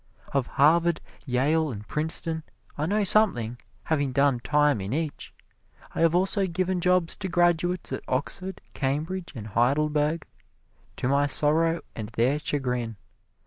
Of Harvard, Yale and Princeton I know something, having done time in each. I have also given jobs to graduates of Oxford, Cambridge and Heidelberg, to my sorrow and their chagrin.